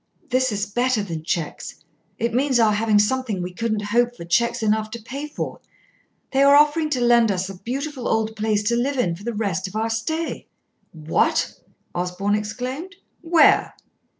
"This is better than cheques. It means our having something we couldn't hope for cheques enough to pay for. They are offering to lend us a beautiful old place to live in for the rest of our stay." "What!" Osborn exclaimed. "Where?"